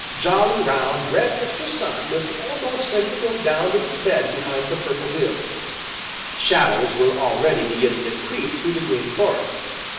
Jolly, round, red Mr. Sun was almost ready to go down to his bed behind the Purple Hills. Shadows were already beginning to creep through the Green Forest.